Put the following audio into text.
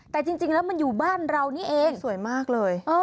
แต่จริงแล้วมันอยู่บ้านเรานี่เองสวยมากเลย